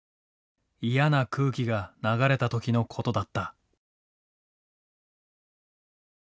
嫌な空気が流れた時のことだった。